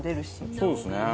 そうですね。